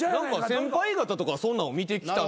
先輩方とかそんなんを見てきたのは。